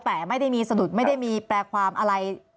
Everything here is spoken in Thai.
แต่ไม่ได้มีสะดุดไม่ได้มีแปลความอะไร